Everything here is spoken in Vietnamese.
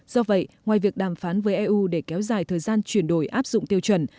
do vậy ngoài việc đàm phán với eu để kéo dài thời gian chuyển đổi áp dụng tiêu chuẩn